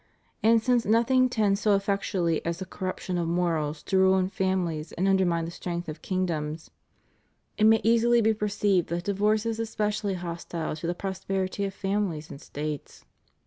And since nothing tends so effectually as the corruption of morals to ruin families and \mder mine the strength of kingdoms, it may easily be per* CATHOLICITY IN THE UNITED STATES. 331 ccived that divorce is especially hostile to the prosperity of families and States."